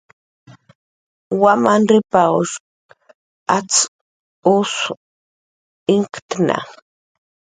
Wamanrripanw atz'ik us inktna